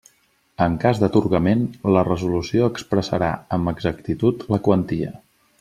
En cas d'atorgament, la resolució expressarà amb exactitud la quantia.